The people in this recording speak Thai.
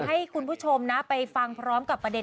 ให้คุณผู้ชมนะไปฟังพร้อมกับประเด็น